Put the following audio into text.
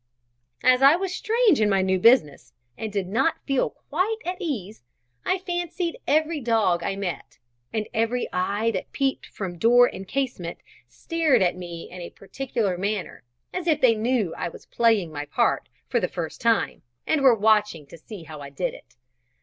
As I was strange in my new business, and did not feel quite at my ease, I fancied every dog I met, and every eye that peeped from door and casement, stared at me in a particular manner, as if they knew I was playing my part for the first time, and were watching to see how I did it.